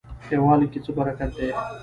یووالي کې څه برکت دی؟